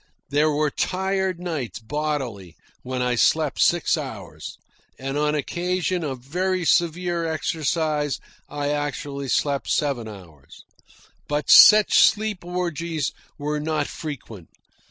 There were tired nights, bodily, when I slept six hours; and on occasion of very severe exercise I actually slept seven hours. But such sleep orgies were not frequent.